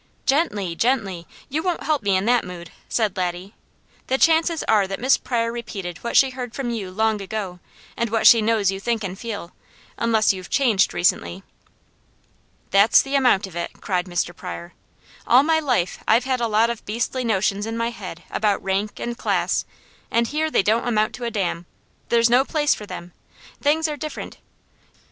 "Gently, gently! You won't help me any in that mood," said Laddie. "The chances are that Miss Pryor repeated what she heard from you long ago, and what she knows you think and feel, unless you've changed recently." "That's the amount of it!" cried Mr. Pryor. "All my life I've had a lot of beastly notions in my head about rank, and class, and here they don't amount to a damn! There's no place for them. Things are different.